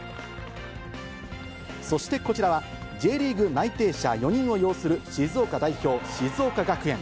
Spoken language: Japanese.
そしてこちらは、Ｊリーグ内定者４人を擁する静岡代表、静岡学園。